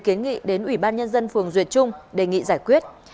kiến nghị đến ủy ban nhân dân phường duyệt trung đề nghị giải quyết